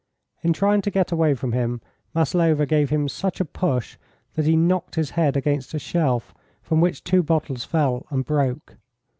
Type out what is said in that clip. In trying to get away from him Maslova gave him such a push that he knocked his head against a shelf, from which two bottles fell and broke.